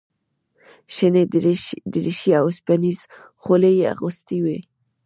شنې دریشۍ او اوسپنیزې خولۍ یې اغوستې وې.